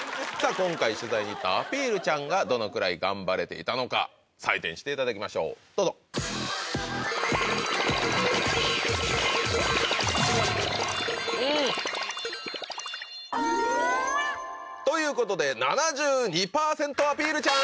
今回取材に行ったアピールちゃんがどのくらい頑張れていたのか採点していただきましょうどうぞ！ということで７２％アピールちゃん！